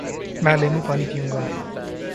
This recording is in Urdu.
میں لیموں پانی پیوں گا